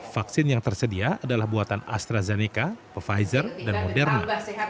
vaksin yang tersedia adalah buatan astrazeneca pfizer dan moderna